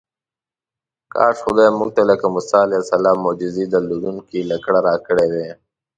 کاش خدای موږ ته لکه موسی علیه السلام معجزې درلودونکې لکړه راکړې وای.